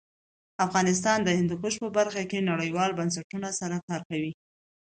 افغانستان د هندوکش په برخه کې نړیوالو بنسټونو سره کار کوي.